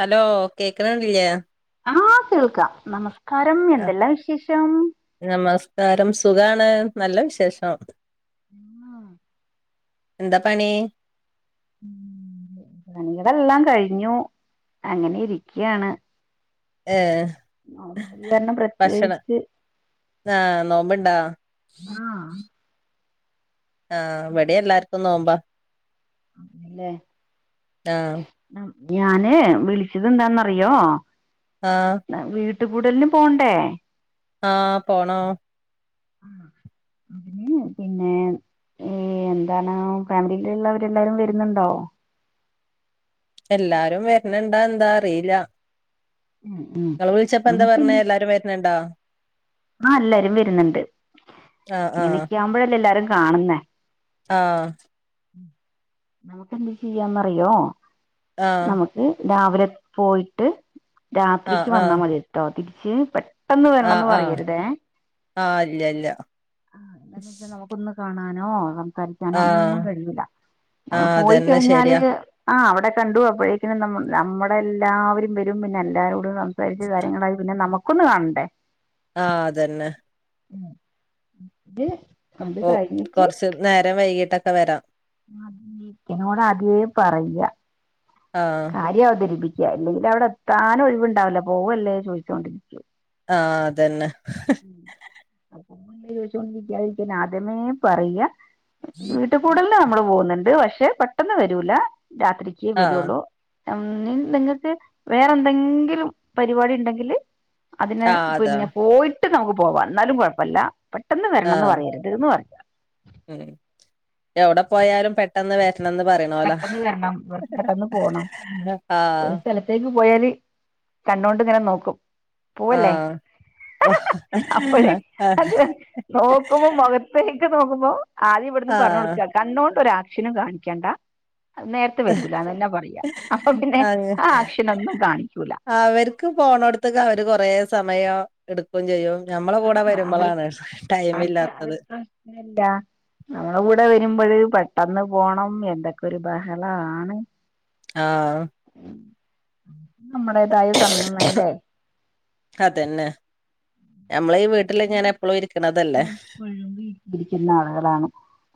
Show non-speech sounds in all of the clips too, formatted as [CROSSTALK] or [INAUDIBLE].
Hello കേക്ക്ണില്ലേ ആഹ് കേൾക്കാ നമസ്കാരം എന്തെല്ലാ വിശേഷം നമസ്ക്കാരം സുഖാണ് നല്ല വിശേഷം ആഹ് ന്താ പണീ. പണികളെല്ലാം കഴിഞ്ഞു. അങ്ങനെ ഇരിക്ക്യാണ്. ഏഹ്. നോമ്പ് കാരണം പ്രത്യേകിച്ച് ആഹ് നോമ്പ്ണ്ടാ? ആഹ് ആഹ് ഇവടീം എല്ലാർക്കും നോമ്പ. ലേ ആഹ് ഞാന് വിളിച്ചത് എന്താന്നറിയോ? ആഹ്. വീട്ട് കൂടല്ന് പോണ്ടേ? ആഹ് പോണം. ഉം ഹ്ഹ് പിന്നെ ഈ എന്താണ് ഫാമിലീല്ള്ളവരെല്ലാവരും വര്ന്ന്ണ്ടോ? എല്ലാരും വര്ണ്‌ണ്ടോ എന്താ അറീല്ല. ഉം ഉം ങ്ങൾ വിൾച്ചപ്പോ എന്താ നമുക്കെന്ത് പർഞ്ഞേ എല്ലാരും വര്ണണ്ടൊ ആഹ് എല്ലാരും വര്ന്ന്ണ്ട്. ആഹ് ആഹ് ഇങ്ങനെയൊക്കെയാവുമ്പോഴല്ലേ എല്ലാരും കാണുന്നേ. ആഹ്. നമുക്കെന്ത് ചെയ്യാംന്നറിയോ ആഹ് നമു രാവിലെ പോയിട്ട് ആഹ് രാത്രിക്ക് ആഹ് വന്നാ ആഹ് മതി ട്ടോ തിരിച്ച് പെ ട്ടെന്ന് ആഹ് വരണംന്ന് ആഹ് പറയരുതേ. ആഹ് ഇല്ല ഇല്ല ക്കൊന്ന് കാണാനോ സംസാരിക്കാനോ ആഹ് ഒന്നും കഴിയൂല്ല. നമ്മൾ ആഹ് പോയി അതന്നെ കഴിഞ്ഞാല്. ശരിയാ ആഹ് അവിടെ കണ്ടു അപ്പോഴേക്കും ന നമ്മുടെ എല്ലാവരും വരും പിന്നെ എല്ലാരോടും സം സാരിച്ച് കാര്യങ്ങളായി പിന്നെ നമുക്കൊന്ന് കാണണ്ടേ? ആഹ് അതന്നെ. ഉ ഇ. അപ്പൊ കൊറച്ച് നേരം വൈകീട്ടൊക്കെ വരാം. [UNINTELLIGIBLE] ആദ്യേയെ പറയ. ആഹ്. കാര്യം അവതരിപ്പിക്ക ഇല്ലെങ്കിൽ അവിടെ എത്താനൊഴിവുണ്ടാവില്ല പോവല്ലേ ചോയ്ച്ചോണ്ടിരിക്കും. ആഹ് അതന്നെ. അപ്പൊ ചോയിച്ചോണ്ട് രിക്കാതിരിക്കാതിരിക്കാൻ നാദ്യമേ പറയ. [UNINTELLIGIBLE] [UNINTELLIGIBLE] കൂടല്ന് നമ്മള് പോകുന്നണ്ട് പക്ഷെ പെട്ടെന്ന് വരൂല രാത്രിക്കേ ആഹ് വരോള്ളു. അ നി നിങ്ങക്ക് വേറെന്തെങ്കിലും പരിപാടി ഇണ്ടെങ്കില്. അതിന് ആഹ് അതാ പിന്നെ പോയിട്ട് നമുക്ക് പോവാം എന്നാലും കുഴപ്പമില്ല. പെട്ടെന്ന് വരണംന്ന് ആഹ് പറയരുതന്ന് പറയ. ഉം എവിടെ പോയാലും പെട്ടെന്ന് വറ്റണംന്ന് പറിം. പെട്ടെന്ന് വരണം ഇവർക്ക് പെട്ടെന്ന് പോണം ഒരു ആഹ് സ്ഥല ത്തേക്ക് പോയാല് കണ്ണോണ്ട് ഇങ്ങനെ നോക്കും. പോവല്ലേ ആഹ് അപ്പഴേ അത് നോക്കുമ്പോ മൊഖത് ഏക്ക് നോക്കുമ്പോ ആദ്യം ഇവിടുന്ന് പറഞ്ഞ് ആഹ് കൊടുക്ക കണ്ണോണ്ട് ഒരാക്ഷനും കാണിക്കണ്ട. നേരത്തെ വരൂലാന്നെന്നെ പറയാ അപ്പൊ പിന്നെ ആ ആക്ഷനൊന്നും കാണിക്കൂല. ആവര് ക്ക്പോണോട്ത്ത്ക്ക് അവര് കൊറെേ സമയാ എട്ക്കും ചെയ്യും ഞമ്മളെ ആ കൂടെ അവർ വരുമ്പളാണ് ടൈമില്ലാത്തത് എല്ലാ നമ്മള കൂടെ വരുമ്പഴ് പെട്ടന്ന് പോണം എന്തൊക്കൊരു ബഹളാണ് ആഹ് നമ്മടേതായ സമ്യം വേണ്ടേ അതന്നെ നമ്മളെ വീ എപ്പെഴും വീ ഇരിക്ക്യുന്ന ആളേളാണ്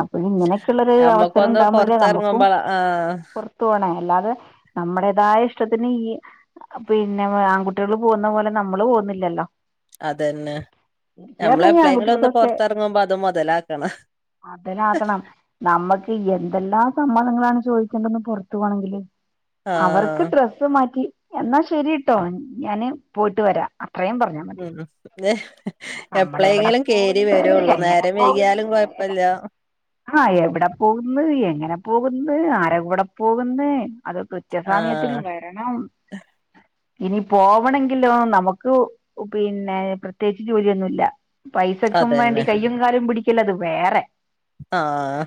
അപ്പൊഴ് ഇങ്ങനെക്കെള്ളൊരു അവസരം ഞമ്മക്കൊന്ന് ണ്ടാമ്പഴല്ലേ നമുക്കും പൊറത്തെറങ്ങുമ്പളാ ആഹ് കൊർ പോണെ അല്ലാതെ നമ്മടേതായ ഇഷ്ടത്തിന് ഈ പിന്നെ വ് ആൺകുട്ട്യേള് പോവുന്ന പോലെ നമ്മള് പോന്നില്ലല്ലോ അതന്നെ ഞമ്മള് പറഞ്ഞ ഈ എപ്ലേങ്കിലൊന്ന് ആൺകുട്ടികൾക്കൊക്കെ പൊർത്തർങ്ങുമ്പോ അത് മൊതലാക്കണ അതിനാക്കണം നമ്മക്ക് യെന്തെല്ലാ സമ്മതങ്ങളാണ് ചോദിക്കണ്ടന്ന് പൊർത്ത് പോണങ്കില് ആഹ് അവർക്ക് ഡ്രസ്സ് മാറ്റി എന്നാ ശരീട്ടോ ഞാന് പോയിട്ട് വരാ അത്രയും പർഞ്ഞ ഉം ന്നേ എവിടെ എപ്ലേങ്കിലും കേരി പോകുന്ന് വരുള്ളൂ എങ്ങനെ നേരം വൈക്യാലും കൊയപ്പല്ല്യാ ആഹ് എവ്ടെ പോക്ന്ന് എങ്ങനെ പോകുന്നു ആരെ കൂടെ പോകുന്ന് അത് കൃത്യസമയത്തിന് ആഹ് വേ എണം ഇനി പോവണങ്കിലോ നമുക്കു പിന്നെ പ്രത്യേച്ച് ജോലിയൊന്നുല്ല പൈസക്കും വേണ്ടി അതന്നെ കയ്യും കാലും പിടിക്കലത് വേറെ ആഹ്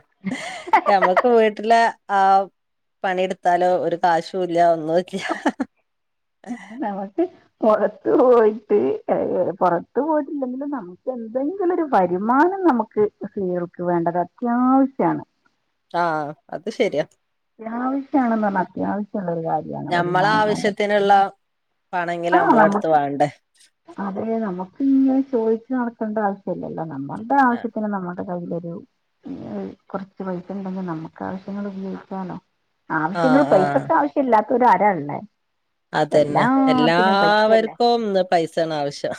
ൻമ ഉം വീട്ട്ലെ ആഹ് പണിട്ത്താലേ ഒരു കാശൂല്ല ഒന്നുല്യ നമക്ക് പൊറത്ത് പോയിറ്റ് എഹ് പൊറത്ത് പോയിട്ടില്ലെങ്കിലും നമ എന്തെങ്കിലൊരു വരുമാനം നമക്ക് സ്ത്രീകൾക്ക് വേണ്ടത അത്യാവശ്യണ് ആഹ് അത് ശര്യാ ത്യാവശ്യാണെന്നർഞ്ഞാ അത്യാവശ്യള്ളൊരു കാര്യണ് വരുമാനം വേണ്ട ന്ന്ള്ളാ ആഹ് നമക്ക് അതെ നമക്കിങ്ങനെ ചോയിച്ച് നടക്കണ്ട ആവശ്യല്ലല്ലോ നമ ഫണ്ടാവശ്യത്തിന് നമ ൻ്റെ കയ്യിലൊരു കൊറച്ച് പൈസണ്ടെങ്കി നമക്ക് ആവശ്യങ്ങൾ ഉപയോഗിക്കാലോ ആവശ്യങ്ങൾ ആഹ് ആഹ് പൈസക്ക് ആവശ്യം ഇല്ലാത്തോരാ ആരാ ഹ്ള്ളേ അതന്നെ എല്ലാ ആവര്ക്കുംന്ന് പൈസേണ് ആവശ്യം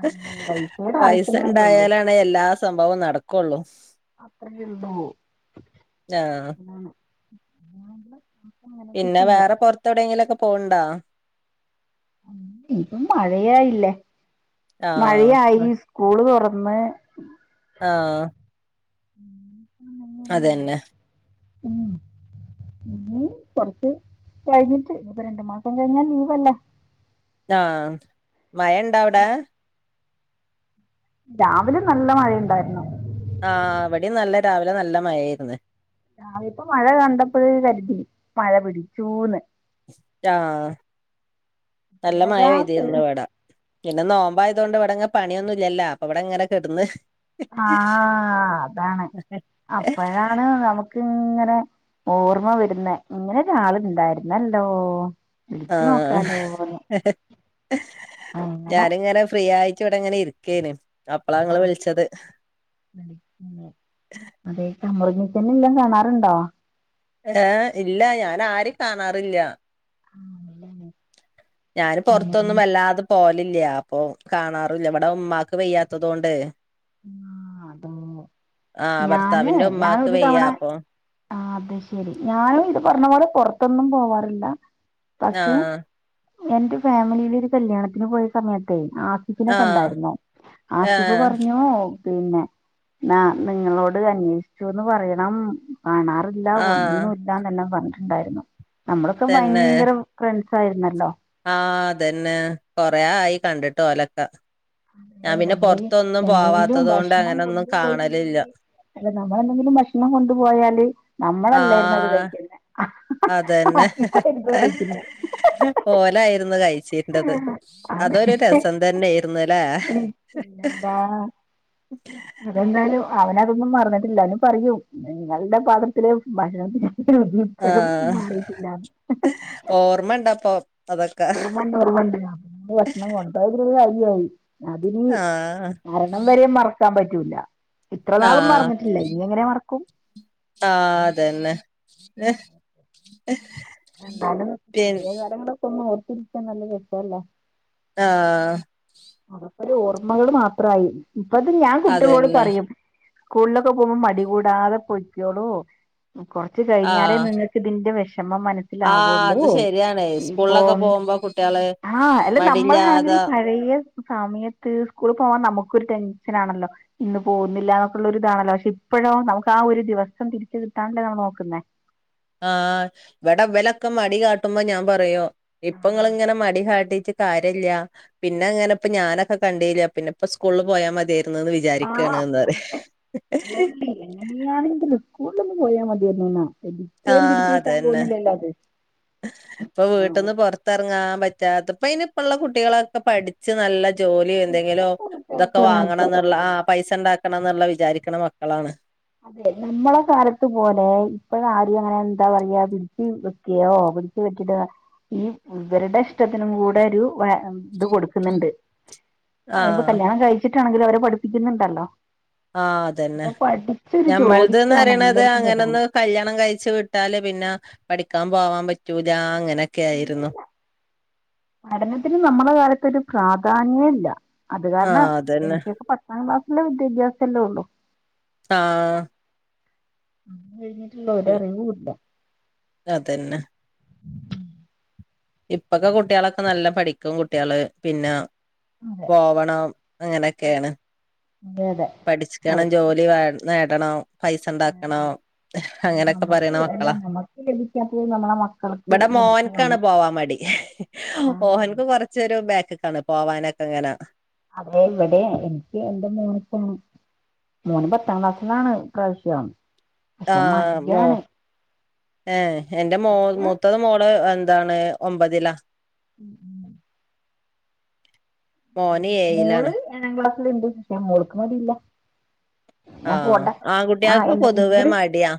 അത് പൈസയുടെ ആവശ്യങ്ങളല്ലേ ഉള്ളൂ പൈസണ്ടായാലാ ണ് എല്ലാ സംഭവം നടക്കൊള്ളു അത്രള്ളൂ ആഹ് അതാണ് അതാവുമ്പോ നമുക്ക് അങ്ങനൊക്കെ പിന്നെ ചെയ്യാം വേറെ പൊർത്തവ്ടെങ്കിലൊക്കെ പോൺണ്ടാ ഇപ്പ മഴയായില്ലേ ആഹ് മഴയായി സ്കൂള് തൊറന്ന് ആഹ് അങ്ങനെയൊന്നുമില്ല അതെന്നെ ഉം ഇഞ് കൊറച്ച് കഴിഞ്ഞിട്ട് ഇപ്പ രണ്ട് മാസം കഴിഞ്ഞാൽ ലീവല്ലേ ആഹ് മയണ്ടവ്ടെ രാവിലെ നല്ല മഴേണ്ടാര്ന്നു ആഹ് വടിം നല്ല രാവിലെ നല്ല മയേര്ന്ന് അതിപ്പോ മഴ കണ്ടപ്പോഴെകരുതി മഴ പിടിച്ചൂന്ന് ആഹ് നല്ല മഴ ഇപ്പഴതാ പെയ്തിരുന്നു ഇവിടാ പിന്നെ നോമ്പ ആയതുകൊണ്ട് ഇവിടെങ്ങെ പണിയൊന്നും ഇല്ലെലാ അപ്പൊ ഇവിടെ ഇങ്ങനെ കെടന്ന് ആഹ് അതാണ് അപ്പഴാണ് നമുക്ക് ഇങ്ങനെ ഓർമ്മ വരുന്നെ ഇങ്ങനെ ഒരാള് ഇണ്ടായിരുന്നല്ലോ ആഹ് അങ്ങനെ ഞാന് ഇങ്ങനെ ഫ്രീ ആയിട്ട് ഇവിടെ ഇങ്ങനെ ഇരിക്കേന് അപ്പളാ ഇങ്ങള് വിളിച്ചത് പിന്നെ അതെ തമുറുദിൻ തന്നെ എല്ലാം കാണാറുണ്ടോ ഏഹ് ഇല്ല ഞാൻ ആരെ കാണാറില്ല ആഹ് ഇല്ലഅല്ലെ ഞാൻ പുറത്തൊന്നും വല്ലാതെ പോലില്ല അപ്പൊ കാണാറു ഇല്ല ഇവിടെ ഉമ്മാക്ക് വയ്യാത്തത് കൊണ്ട് ആഹ് അത ആഹ് ഞാന് ഭർത്താവിന്റെ ഞാൻ ഉമ്മാക്ക് ഒരു വെയ്യ തവണ അപ്പൊ ആഹ് അത് ശരി ഞാനും ഇത് പറഞ്ഞപോലെ പുറത്തൊന്നും പോവാറില്ല പക്ഷെ ആഹ് എന്റെ ഫാമിലില് ഒരു കല്യാണത്തിന് പോയ സമയത്തേ ആ സിഫിനെ ആഹ് കണ്ടാരുന്നു ആസിഫ് ഏഹ് പറ ഞ്ഞു പിന്നെ നാ നിങ്ങളോട് അന്വേഷിച്ചുന്ന് പറയണം കാണാറ് ഇല്ല ആഹ് ഒന്നുംല്ലന്ന് തന്നെ പറഞ്ഞിട്ടുണ്ടായിരുന്നു നമ്മളൊക്കെ തന്നെ ഭയങ്കര ഫ്രണ്ട്സ് ആയിരുന്നല്ലോ ആഹ് അതന്നെ കൊറ ആയി കണ്ടിട്ടു ഓലക്കെ അതെ നമ്മള് എന്തെങ്കിലും പോവാത്തത് കൊണ്ട് ഭക്ഷണം അങ്ങനൊന്നും കൊണ്ടു കാണലില്ല പോയിട്ടുണ്ടെങ്കിൽ അതെ നമ്മളെന്തെങ്കിലും ഭക്ഷണം കൊണ്ടു പോയാല് നമ്മളല്ലായിരുന്നു അത് ആഹ് കഴിക്കുന്നെ അതന്നെ കഴിക്കുന്നെ ഓലായിരുന്നു കഴിച്ചിർണ്ടത് അത് അതൊരു രസം തന്നെ കിട്ട്ന്നെല്ലേ പിന്നെന്താ അതെന്തായാലും അവനതൊന്നും മറന്നിട്ടില്ല അവന് പറയൂ നിങ്ങൾടെ പാത്രത്തിലെ ഭാക്ഷണത്തിനു [UNINTELLIGIBLE] ഇപ്പഴും മാറിയിട്ടില്ലന്ന് ഓർമ്മണ്ട അപ്പൊ ഓർമ്മണ്ട് ഓർമ്മണ്ട് അം നമ്മങ്ങള് ഭക്ഷണം കൊ [UNINTELLIGIBLE] കര്യവായി അതിനി ആഹ് മരണം വരെ മറക്കാൻ പറ്റൂല്ല ആഹ് മറക്കും ആഹ് അതന്നെ ഏഹ് ഏഹ് എന്താലും പഴെ കാര്യങ്ങളൊക്കെ ഒന്ന് ഓർത്തിരിക്കാൻ നല്ല രസല്ലേ ആഹ് അത്ക്കൊരു ഓർമ്മകള് മാത്രയി ഇപ്പ അത് ഞാൻ കുട്ടികളോട് അതന്നെ പറയും സ്കൂളിലൊക്കെ പോകും മടികൂടാതെ പൊയ്ക്കോളൂ കൊറച് കഴിഞ്ഞാലേ ആഹ് നിങ്ങ ഇതിന്റെ വെഷമം മന ആഹ് സ്സിലാവുള്ളൂ അത് ശരിയാണ് സ്കൂളിലൊക്കെ ഇപ്പൊയ് പോകുമ്പോ കുട്ടികള് ആഹ് അല്ല നമ്മള ഹാങ്ങില് മടില്ലാതെ പഴയ സമയത്ത് സ്കൂൾ പോവാൻ നമുക്കൊരു ടെൻഷൻ ആണല്ലോ ഇന്ന് പോകുന്നില്ല ന്നൊക്കുള്ളരിതാണല്ലോ പക്ഷെ ഇപ്പോഴോ നമുക്ക് ആ ഒരു ദിവസം തിരിച്ച് കിട്ട [UNINTELLIGIBLE] നമ്മൾ നോക്കുന്നേ ആഹ് ഇവിടെ ഇവലൊക്കെ മടി കാട്ടുമ്പോ ഞാൻ പറയും ഇപ്പങ്ങള് ഇങ്ങനെ മടി കാട്ടിട്ട് കാര്യഇല്ല്യ പിന്നെ ഇങ്ങനെ ഇപ്പ ഞാനൊക്കെ കണ്ടില്ല പിന്നെ ഇപ്പ സ്കൂളിൽ പോയാ മതിയായിരുന്നുന്ന് വിചാരിക്കാണ്ന്ന് പറെ എങ്ങനീ ആണെങ്കിലു സ്കുളിലോന്നു പോയാ മതിയലോന്നാ ആഹ് അതന്നെ ഇപ്പൊ വീട്ന്ന്പുറ ത്തറങ്ങാ പറ്റാത്ത ഇപ്പ ഇനി ഇപ്പള്ള കുട്ടികളൊക്കെ പഠച്ച് നല്ല ജോലി എന്തെങ്കിലോ ഇതൊക്കെ വാങ്ങണം എന്നുള്ള ആ പൈസ ണ്ടാക്കണം എന്നുള്ള വിചാരിക്കണ മക്കളാണ് അതെ നമ്മളെ കാലത്ത് പോലെ ഇപ്പഴ ആരീ അങ്ങനെ എന്താ പറയാ പിടിച്ച് പിടിച്ചു പറ്റിട്ട് ഈ ഇവരുടെ ഇഷ്ടത്തിനും കൂടെ ഒരു ഇത് കൊടുക്കുന്നുണ്ട് ഇപ്പൊ ആഹ് കല്യാണം കഴിച്ചിട്ടാണെങ്കിലും അവരെ പഠിപ്പിക്കുന്നുണ്ടല്ലോ ആഹ് അതന്നെ ഇപ്പൊ പഠിച്ചൊരു ഞമ്മളത് ജോലിക്കാണ് പറിയണത് എല്ലാർക്കും അങ്ങനന്ന് പ്രധാനം കല്യാണം കഴിച്ച വിട്ടാല് പിന്നെ പഠിക്കാൻ പോവാൻ പറ്റൂല അങ്ങനെ പഠനത്തിന് നമ്മള കാലത്തൊക്കെ പ്രാധാന്യം ഇല്ല അത് കാരണം ആഹ് അതന്നെ എനിക്കൊക്കെ പത്താം ക്ലാസ്സില വിദ്യാഭ്യാസം എല്ലേ ഉള്ളു ആഹ് കഴിഞ്ഞിട്ടില്ല ഒരറിവൂല്ല അതന്നെ ഇപ്പൊക്കെ കുട്ടികളൊക്കെ നല്ല പഠിക്കും കുട്ടികള് പിന്നെ അതെ പോവണം അങ്ങനെയൊക്കെയാണ് അതെ അതെ പഠിച്ക്കണം അവര് ജോലി നേടണം പൈസ ണ്ടാക്കണം നേടണം അത് അങ്ങനെയൊക്കെ നമുക്ക് പറയണ അല്ല മക്കളാ നമുക്ക് ലഭിക്കാത്തത് നമ്മളെ മക്കൾക്ക് ഇവിടെ ലഭിച്ചു മോൻക്കാണ് കാണും പോവാൻ മടി ഓൻക്ക് കൊറ - ച്ച് ഒരു ബാക്കക്കാണ് പോവാനൊക്കെ അങ്ങനെ അതെ ഇവിടെ എനിക്ക് എന്റെ മോന്ക്ക് അങ്ങനെയാണ് മോന് പത്താം ക്ലാസ്സിലാണ് ഇ പ്രാവശ്യം ആഹ് മോ ഏഹ് എന്റെ മോ മടിയാ മൂത്തത് മോള് എന്താണ് ഒമ്പതിലാ ഉം- ഉം മോന് ഏയിലാണ് രണ്ടാം ക്ലാസ്സിലുണ്ട് പക്ഷെ മോൾക്ക് മടി ഇല്ല ഞാൻ ആഹ് പോണ്ട ആഹ് ആൺകുട്ടികൾക്ക് പൊതുവേ എന്തെങ്കിലും മടിയാ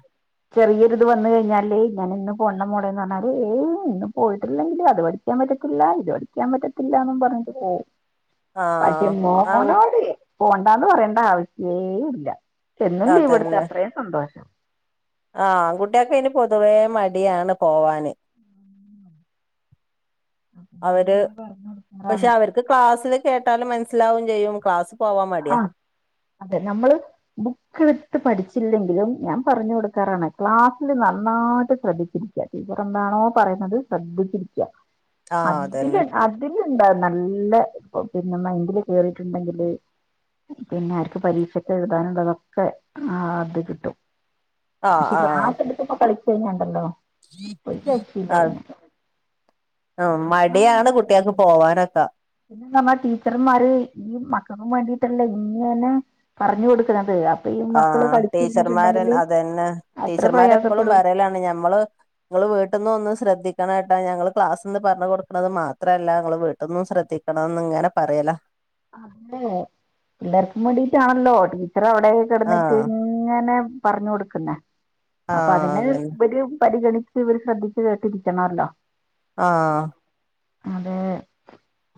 ചെറിയൊരിത് വന്നു കഴിഞ്ഞാല് ഞാൻ ഇന്ന് പോണ്ട മോളേന്ന് പറഞ്ഞാല് ഏയ് ഇന്ന് പോയിട്ടില്ലെങ്കില് അത് പഠി ക്കാൻ പറ്റത്തില്ല ഇത് പഠിക്കാൻ പറ്റത്തില്ലാന്ന് പറഞ്ഞിട്ട് പോവും പക്ഷെ ആഹ് ആഹ് മോനോട് പോണ്ടാന്ന് പറയേണ്ട ആവശ്യേ ഇല്ല എന്നും അതന്നെ ലീവെടുത്ത അത്രെയും സന്തോഷം ആഹ് ആൺകുട്ടിയക്കതിന് പൊതുവേ മടിയാണ് പോവാന് അവര് അങ്ങനെ പറഞ്ഞു പക്ഷെ കൊടുക്കാറാണ് അവര്ക്ക് ക്ലാസില് കേട്ടാല് മനസ്സിലാവും ചെയ്യും ക്ലാസ് പോവാ ആ മടിയ അതെ നമ്മള് ബുക്കെടുത്ത് പഠിച്ചില്ലെങ്കിലും ഞാൻ പറഞ്ഞു കൊടുക്കാറാണ് ക്ലാസ്സില് നന്നായിട്ട് ശ്രദ്ധിച്ചിരി ക്ക ടീച്ചറെന്താണോ പറയുന്നത് ശ്രദ്ധിച്ചിരിക്ക ആഹ് അതില് അതന്നെ അതിലുണ്ടാ നല്ല പിന്നെ മൈന്റില് കേറിട്ടുണ്ടെങ്കില് പിന്നെ ആർക്ക് പരീക്ഷക്കെഴുതാനുള്ളതൊ ക്കെ ആഹ് അത് കിട്ടും ആഹ് പക്ഷെ ആഹ് ക്ലാസ്സെടുക്കുമ്പൊ കളിച്ചു കഴിഞ്ഞാണ്ടല്ലോ ഒരു രക്ഷയില്ല ആഹ് പിന്നെ ആഹ് ക്ലാസ്സിലാണ് മടിയാണ് കുട്ടികക്ക് പോവാനൊക്കെ പിന്നെ നമ്മ ടീച്ചർമാര് ഈ മക്കക്കും വേണ്ടി ട്ടല്ലേ ഇങ്ങനെ പറഞ്ഞു കൊടുക്കുന്നത് അ ആഹ് ടീച്ചർമാരൻ അതന്നെ അത്ര ടീച്ചർമാരെപ്പൊളും പ്രയാസപ്പെടും പറയലാണ് ഞമ്മള് നിങ്ങൾ വീട്ട്ന്ന് ഒന്ന് ശ്രദ്ധിക്കണാ കേട്ടാ ഞങ്ങള് ക്ലാസ്സിന്ന് പറഞ്ഞ് കൊടുക്കണത് മാത്രവല്ല നിങ്ങള് വീട്ടിന്നും ശ്രദ്ധി ക്കണന്ന് ഇങ്ങനെ പറയലാ അതെ എല്ലാർക്കും വേണ്ടീട്ടാണല്ലോ ടീച്ചർ അവിടേ കെടന്നിറ്റ് ആഹ് ഇങ്ങ് ഇങ്ങനെ പറഞ്ഞു കൊടുക്കുന്നാ അപ്പൊ ആഹ് അതിന് അതന്നെ ഇവര് പരിഗണി ച്ച് ഇവര് ശ്രദ്ധിച്ച് കേട്ടിരിക്കണല്ലോ ആഹ് അതേ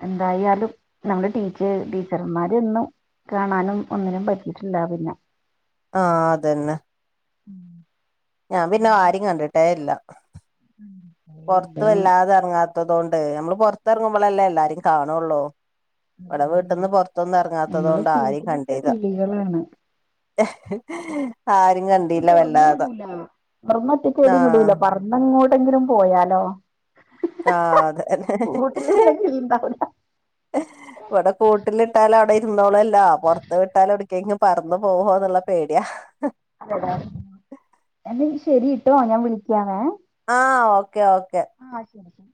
എന്തായാലും നമ്മള് ടീ ട്ട് ടീച്ചർമാരെയൊന്നും കാണാനും ഒന്നിനും പറ്റീട്ട്ണ്ടാവില്ലാ ആഹ് അതന്നെ ഉം ഞാൻ പിന്നെ ആരെയും കണ്ടിട്ടേയില്ലാ ഉം പൊറത്ത് വല്ലാതെ എറങ്ങാത്തതുകൊണ്ട് നമ്മള് പൊറത്തെറങ്ങുമ്പളല്ലേ എല്ലാരെയും കാണുള്ളൂ ഇവിടെ വീട്ട്ന്ന് പൊറത്തൊന്നും എറങ്ങാത്തത് നമ്മള് കൊണ്ട് ആരെയും കൂട്ടിലിട്ട കണ്ടീലാ കിളികളാണ് പൊറത്ത് കണ്ടില്ല തൊറന്ന് വല്ലാതെ വിടൂലാ തൊറന്ന് ഒറ്റക്കെവിടെയും ആഹ് വിടൂലാ പറന്നെങ്ങോട്ടെങ്കിലും പോയാലോ ആഹ് അതെ കൂട്ടില് പിന്നെ കിളിണ്ടാവൂല ഇവിടെ കൂട്ടിലിട്ടാലവിടെ ഇരുന്നോളല്ലോ പൊറത്ത് വിട്ടാലെവിടേക്കെങ്കും പറന്നു പോവോന്നുള്ള പേടിയാ അതെയോ എന്നാ ഇനി ശെരിട്ടോ ഞാൻ വിളിക്കാവേ ആഹ് ഓക്കെ ഓക്കെ ആഹ് ശരി ശരി